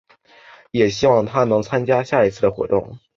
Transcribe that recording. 也希望她能参加下一次的活动。